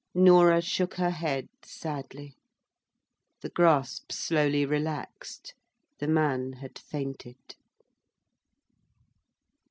Norah shook her head sadly. The grasp slowly relaxed. The man had fainted.